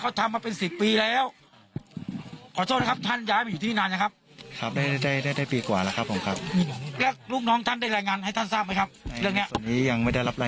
เขาทำมาเป็น